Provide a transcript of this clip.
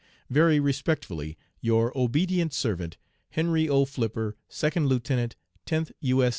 "'Very respectfully, your obedient servant, "'HENRY O. FLIPPER, "'Second Lieutenant Tenth U. S.